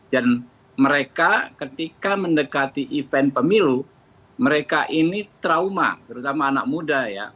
dan mereka ketika mendekati event pemilu mereka ini trauma terutama anak muda ya